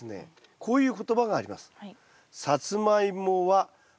こういう言葉があります。